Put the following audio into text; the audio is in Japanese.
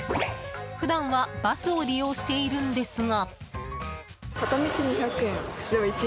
普段はバスを利用しているんですが。